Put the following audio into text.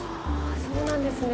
そうなんですね。